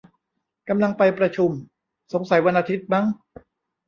กำลังไปประชุม สงสัยวันอาทิตย์มั้ง